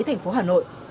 thành phố hà nội